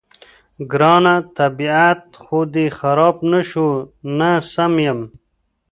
ګرانه، طبیعت خو دې خراب نه شو؟ نه، سم یم.